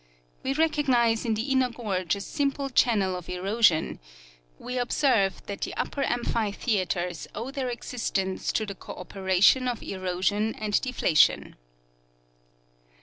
We recognize in the inner gorge a simple channel of erosion ; we ob serve that the upper amphitheaters OAve their existence to the cooperation of erosion and deflation.